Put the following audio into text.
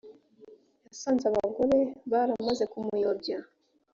yasanze abagore baramaze kumuyobya